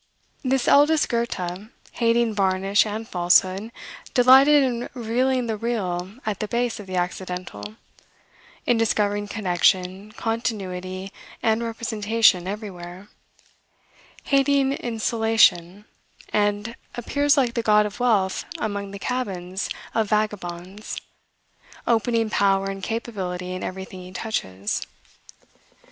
This eldest Goethe, hating varnish and falsehood, delighted in revealing the real at the base of the accidental; in discovering connection, continuity, and representation, everywhere; hating insulation; and appears like the god of wealth among the cabins of vagabonds, opening power and capability in everything he touches.